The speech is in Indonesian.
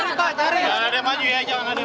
jangan ada yang maju ya